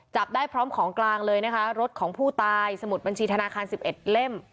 จับได้พร้อมของกลางเลยนะคะรถของผู้ตายสมุดบัญชีธนาคาร๑๑เล่ม